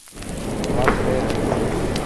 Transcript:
Xineru fríu o templáu, pásalu arropáu.